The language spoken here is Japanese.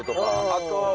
あと。